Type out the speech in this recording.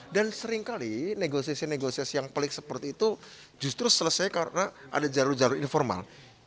dan seringkali negosiasi negosiasi yang pelik seperti itu justru selesai karena ada jalur jalur informal